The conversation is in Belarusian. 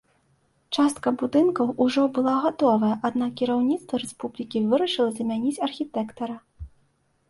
Частка будынкаў ужо была гатовая, аднак кіраўніцтва рэспублікі вырашыла замяніць архітэктара.